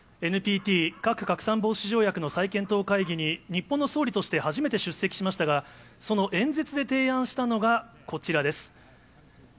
ＮＰＴ・核拡散防止条約の再検討会議に、日本の総理として初めて出席しましたが、その演説で提案したのがこちらです。